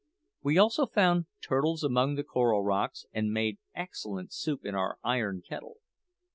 We also found turtles among the coral rocks, and made excellent soup in our iron kettle.